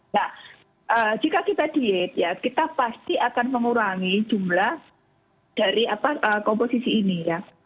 nah jika kita diet ya kita pasti akan mengurangi jumlah dari apa